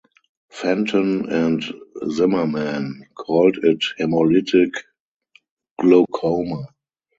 Fenton and Zimmerman called it hemolytic glaucoma.